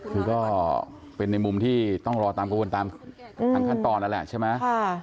คือก็เป็นในมุมที่ต้องรอตามกระบวนตามทางขั้นตอนนั่นแหละใช่ไหม